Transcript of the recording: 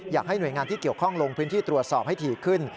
อยากให้หน่วยงานที่เกี่ยวข้องลงพื้นที่ตรวจสอบให้ถี่ขึ้น